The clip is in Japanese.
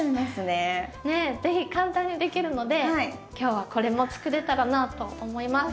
是非簡単にできるので今日はこれも作れたらなと思います。